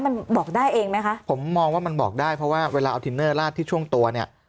มันบอกได้เองไหมคะผมมองว่ามันบอกได้เพราะว่าเวลาเอาทินเนอร์ลาดที่ช่วงตัวเนี่ย